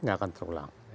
enggak akan terulang